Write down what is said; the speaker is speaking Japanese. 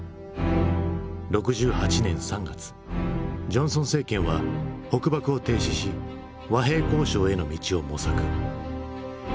６８年３月ジョンソン政権は北爆を停止し和平交渉への道を模索。